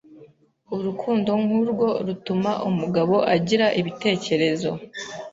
Urukundo nkurwo rutuma umugabo agira ibitekerezo